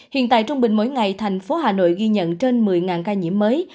hiện tại trung bình mỗi ngày thành phố hà nội ghi nhận trên một mươi ca nhiễm mới